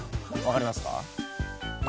わかりますか？